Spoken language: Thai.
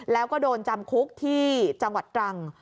แล้วก็โดนจำคุกที่จังหวัดตรัง